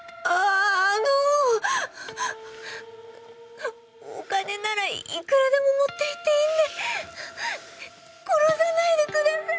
あのお金ならいくらでも持っていっていいんで殺さないでください！